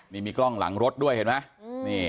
นี่มีกล้องหลังรถด้วยเห็นไหม